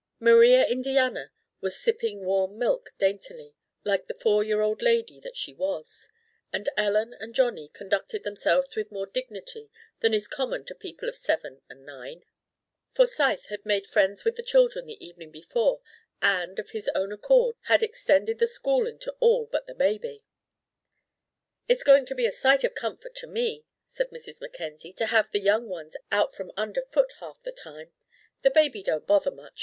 Maria Indiana was sipping warm milk daintily, like the four year old lady that she was, and Ellen and Johnny conducted themselves with more dignity than is common to people of seven and nine. Forsyth had made friends with the children the evening before, and, of his own accord, had extended the schooling to all but the baby. "It's going to be a sight of comfort to me," said Mrs. Mackenzie, "to have the young ones out from under foot half the time. The baby don't bother much.